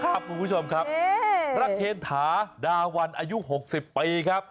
ครับคุณผู้ชมครับรักเทรนฐาดาวันอายุ๖๐ปีครับ